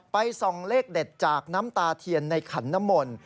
ส่องเลขเด็ดจากน้ำตาเทียนในขันน้ำมนต์